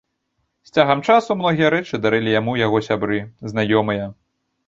З цягам часу многія рэчы дарылі яму яго сябры, знаёмыя.